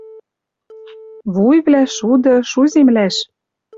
Вуйвлӓ, шуды — шу земляш!